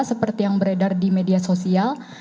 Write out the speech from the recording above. seperti yang beredar di media sosial